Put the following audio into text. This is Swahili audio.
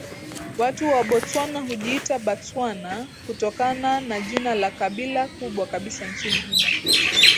Watu wa Botswana hujiita Batswana kutokana na jina la kabila kubwa kabisa nchini humo